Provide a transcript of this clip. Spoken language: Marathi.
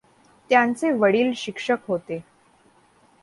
त्यांचे वडील शिक्षक होते.